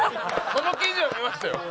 その記事は見ましたよ。